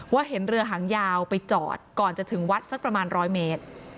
เห็นเรือหางยาวไปจอดก่อนจะถึงวัดสักประมาณ๑๐๐เมตร